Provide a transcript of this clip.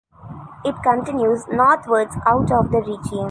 It continues northwards out of the region.